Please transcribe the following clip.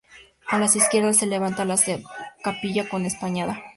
A la izquierda se levanta la capilla, con espadaña.